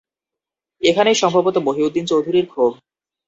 এখানেই সম্ভবত মহিউদ্দিন চৌধুরীর ক্ষোভ।